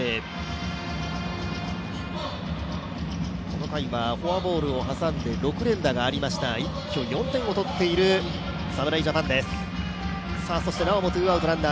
この回はフォアボールを挟んで６連打がありました、一挙４点を取っている侍ジャパンです。